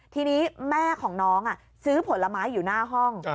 ทีนี้แม่ของน้องซื้อผลไม้อยู่หน้าห้อง